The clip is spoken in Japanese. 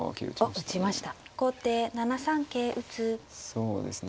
そうですね